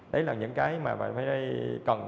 đấy là những cái mà phải cần